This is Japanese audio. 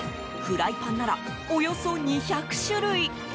フライパンならおよそ２００種類。